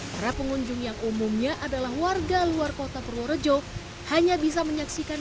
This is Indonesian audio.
para pengunjung yang umumnya adalah warga luar kota purworejo hanya bisa menyaksikan